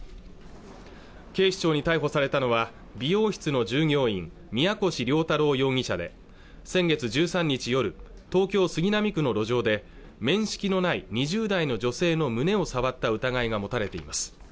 警視庁に逮捕されたのは美容室の従業員宮腰椋太郎容疑者で先月１３日夜東京杉並区の路上で面識のない２０代の女性の胸を触った疑いが持たれています